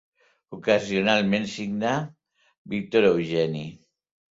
Ocasionalment signà Víctor Eugeni.